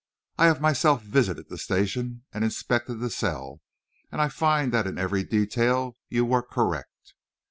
I have myself visited the station and inspected the cell, and I find that in every detail you were correct.